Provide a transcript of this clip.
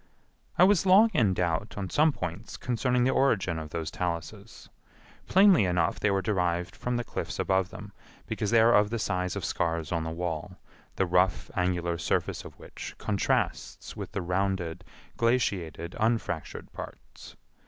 I was long in doubt on some points concerning the origin of those taluses. Plainly enough they were derived from the cliffs above them, because they are of the size of scars on the wall, the rough angular surface of which contrasts with the rounded, glaciated, unfractured parts.